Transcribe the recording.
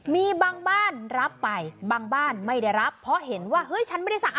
มีบางบ้านรับไปบางบ้านไม่ได้รับเพราะเห็นว่าเฮ้ยฉันไม่ได้สั่ง